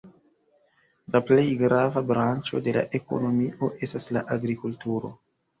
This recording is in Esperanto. La plej grava branĉo de la ekonomio estas la agrikulturo.